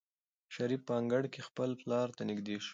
شریف په انګړ کې خپل پلار ته نږدې شو.